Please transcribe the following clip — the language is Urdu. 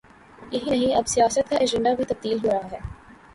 یہی نہیں، اب سیاست کا ایجنڈا بھی تبدیل ہو رہا ہے۔